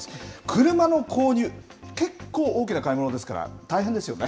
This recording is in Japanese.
車の購入、結構、大きな買い物ですから、大変ですよね。